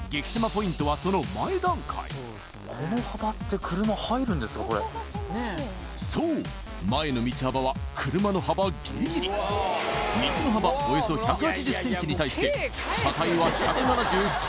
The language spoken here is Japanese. ポイントはその前段階そう前の道幅は車の幅ギリギリ道の幅およそ１８０ｃｍに対して車体は１７３ｃｍ